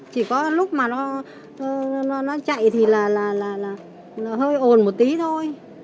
chỉ có lúc mà nó chạy thì là nó hơi ồn một tí thôi